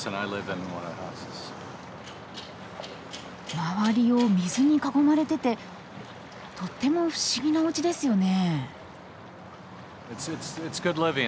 周りを水に囲まれててとっても不思議なおうちですよね。